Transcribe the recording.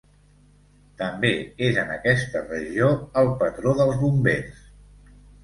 També és en aquesta regió el patró dels bombers.